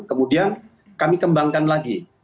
kemudian kami kembangkan lagi